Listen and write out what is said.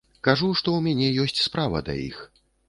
Кажу, што ў мяне ёсць справа да іх.